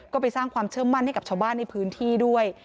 ก็ไปสร้างความเชื่อมั่นให้กับชาวบ้านในพื้นที่ด้วย